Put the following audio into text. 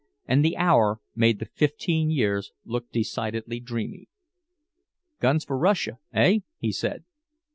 And the hour made the fifteen years look decidedly dreamy. "Guns for Russia, eh?" he said.